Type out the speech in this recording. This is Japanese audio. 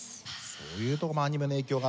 そういうとこもアニメの影響が。